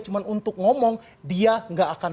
cuma untuk ngomong dia nggak akan